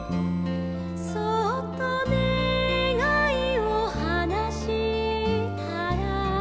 「そっとねがいをはなしたら」